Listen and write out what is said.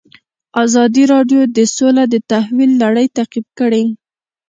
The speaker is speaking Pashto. ازادي راډیو د سوله د تحول لړۍ تعقیب کړې.